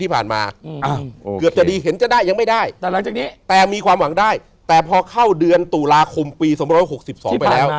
อีกปีหนึ่ง